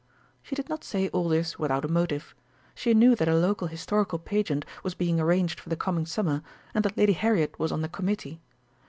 She did not say all this without a motive. She knew that a local Historical Pageant was being arranged for the coming Summer, and that Lady Harriet was on the Committee.